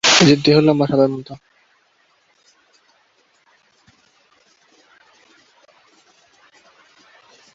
এদের দেহ লম্বা, সাপের মত।